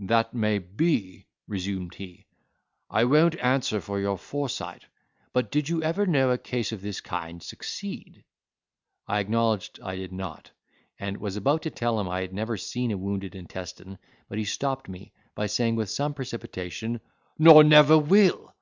"That may be," resumed he; "I won't answer for your foresight, but did you ever know a case of this kind succeed?" I acknowledged I did not, and was about to tell him I had never seen a wounded intestine; but he stopt me, by saying, with some precipitation, "Nor never will!